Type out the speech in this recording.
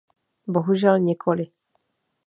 Bohužel nikoli.